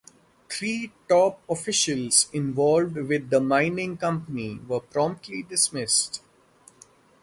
Three top officials involved with the mining company were promptly dismissed.